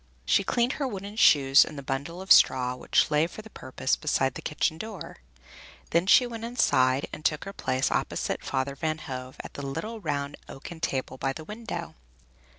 She cleaned her wooden shoes on the bundle of straw which lay for the purpose beside the kitchen door; then she went inside and took her place opposite Father Van Hove at the little round oaken table by the window.